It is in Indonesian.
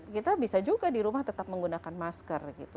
kita bisa juga di rumah tetap menggunakan masker gitu